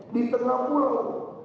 di tengah pulau